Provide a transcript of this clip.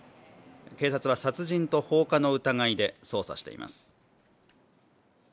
警察は殺人と放火の疑いで捜査しています。